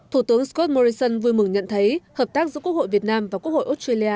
thủ tướng scott morrison vui mừng nhận thấy hợp tác giữa quốc hội việt nam và quốc hội australia